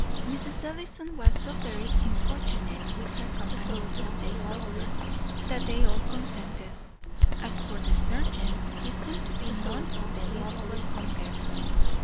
Mrs. Ellison was so very importunate with her company to stay supper that they all consented. As for the serjeant, he seemed to be none of the least welcome guests.